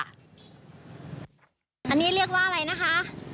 อันนี้เรียกว่าอะไรนะคะ